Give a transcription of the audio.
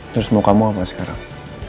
terus mau kamu apa sekarang